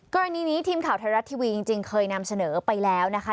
กรณีนี้ทีมข่าวไทยรัฐทีวีจริงเคยนำเสนอไปแล้วนะคะ